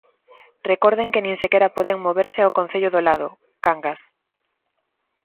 Recorden que nin sequera poden moverse ao concello do lado, Cangas.